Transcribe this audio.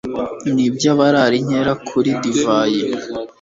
Ni iby’abarara inkera kuri divayi